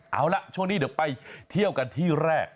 เอาล่ะช่วงนี้เดี๋ยวไปเที่ยวกันที่แรก